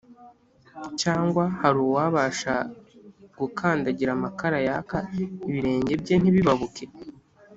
cyangwa hari uwabasha gukandagira amakara yaka, ibirenge bye ntibibabuke’